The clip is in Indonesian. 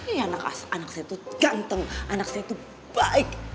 ih anak saya tuh ganteng anak saya tuh baik